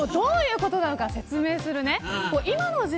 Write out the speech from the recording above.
どういうことか説明するね。